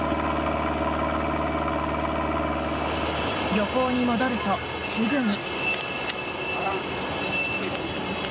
漁港に戻るとすぐに。